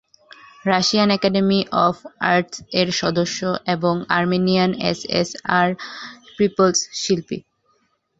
Russian academy of arts এর সদস্য, এবং আর্মেনিয়ান এসএসআর পিপলস শিল্পী।